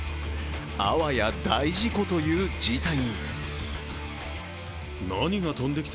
あわや大事故という事態に。